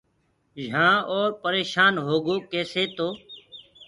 يهآن اورَ پريشآن هوگو ڪيسي تو